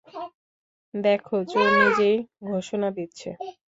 দেখ, চোর নিজেই ঘোষণা দিচ্ছে!